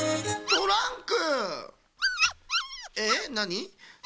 トランク。